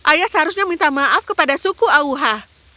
ayah seharusnya minta maaf kepada suku auha